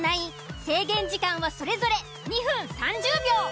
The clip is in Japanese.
制限時間はそれぞれ２分３０秒。